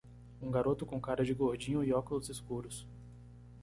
Um garoto com cara de gordinho e óculos escuros.